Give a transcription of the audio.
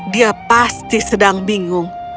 dia pasti sedang bingung